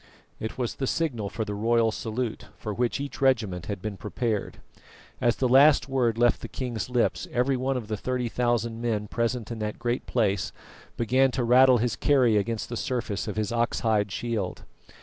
It was the signal for the royal salute, for which each regiment had been prepared. As the last word left the king's lips, every one of the thirty thousand men present in that great place began to rattle his kerry against the surface of his ox hide shield.